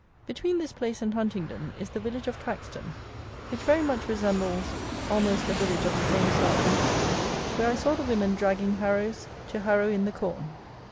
Between this place and Huntingdon is the village of Caxton, which very much resembles almost a village of the same size in Picardy, where I saw the women dragging harrows to harrow in the corn.